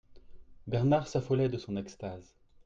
Bernard s'affolait de son extase.